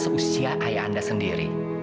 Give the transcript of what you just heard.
seusia ayah anda sendiri